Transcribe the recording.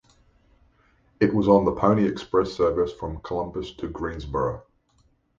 It was on the pony express service from Columbus to Greensboro.